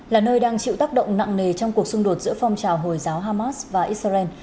là nơi đang chịu tác động nặng nề trong cuộc xung đột giữa phong trào hồi giáo hamas và israel